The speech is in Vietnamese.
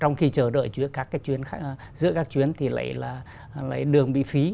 giữa các chuyến thì lại là đường bị phí